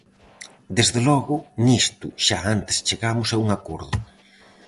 Desde logo, nisto xa antes chegamos a un acordo.